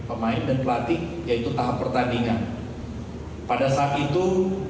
pada saat itu